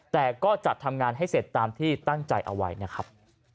แต่ก็จัดทำงานให้เสร็จตามที่ตั้งใจเอาไว้นะครับ